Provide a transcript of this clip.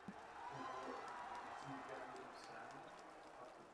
Kromě drobných fragmentů obvodové hradby zůstala plocha předhradí beze stop zástavby.